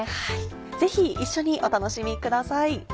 ぜひ一緒にお楽しみください。